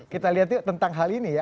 kita lihat yuk tentang hal ini ya